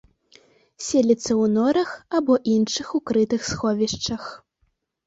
Селіцца ў норах або іншых укрытых сховішчах.